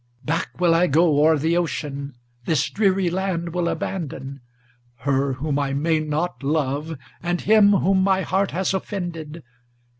Back will I go o'er the ocean, this dreary land will abandon, Her whom I may not love, and him whom my heart has offended.